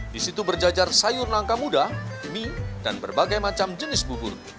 di situ berjajar sayur nangka muda mie dan berbagai macam jenis bubur